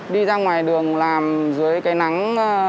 đi ra ngoài đường làm dưới cái nắng